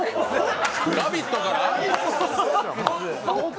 「ラヴィット！」から？！